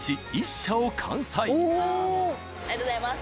ありがとうございます。